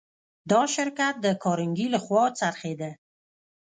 دا شرکت د کارنګي لهخوا خرڅېده